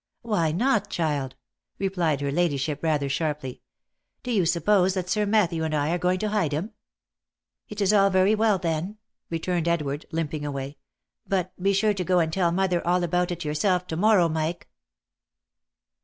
" Why not, child?" replied her ladyship rather sharply. " Bo you suppose that Sir Matthew and I are going to hide him?" " It is all very well then," returned Edward, limping away. " But be sure to go and tell mother all about it yourself to morrow, Mike."